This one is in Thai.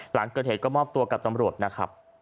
หลังเกิดเหตุก็มอบตัวกับตำรวจนะครับ